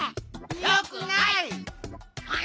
よくない！